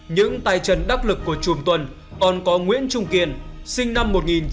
những tài trần đắc lực của chùm tuần còn có nguyễn trung kiên sinh năm một nghìn chín trăm bảy mươi bốn